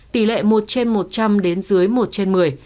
tỷ lệ một trên một trăm linh đến dưới một trên một mươi